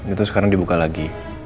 itu sekarang dibuka lagi